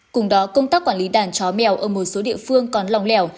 cùng đó công tác quản lý đàn chó mèo ở một số địa phương còn lòng lẻo